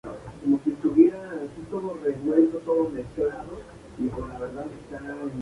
Su importancia radica en que es un algoritmo muy simple.